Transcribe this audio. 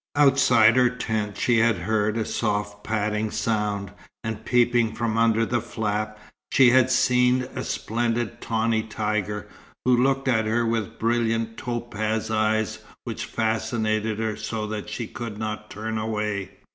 Outside her tent she had heard a soft padding sound, and peeping from under the flap, she had seen a splendid, tawny tiger, who looked at her with brilliant topaz eyes which fascinated her so that she could not turn away.